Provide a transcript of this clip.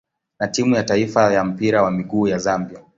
na timu ya taifa ya mpira wa miguu ya Zambia.